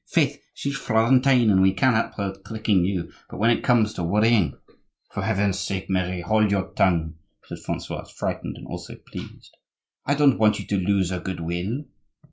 Faith, she's Florentine and we can't help her tricking you, but when it comes to worrying—" "For Heaven's sake, Mary, hold your tongue!" said Francois, frightened and also pleased; "I don't want you to lose her good will."